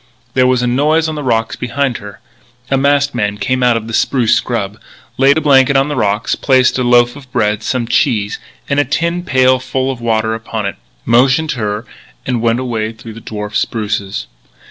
There was a noise on the rocks behind her. A masked man came out of the spruce scrub, laid a blanket on the rocks, placed a loaf of bread, some cheese, and a tin pail full of water upon it, motioned her, and went away through the dwarf spruces.